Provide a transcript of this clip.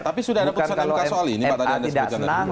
tapi sudah ada putusan mk soal ini pak tadi anda sebutkan tadi